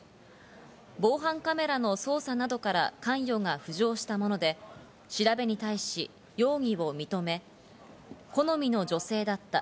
防犯カメラの捜査などから関与が浮上したもので、調べに対し容疑を認め、好みの女性だった。